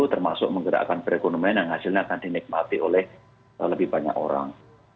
termasuk menggerakkan perekonomian yang hasilnya akan dinikmati oleh lebih banyak orang